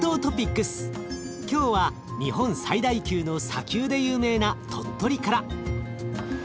今日は日本最大級の砂丘で有名な鳥取から。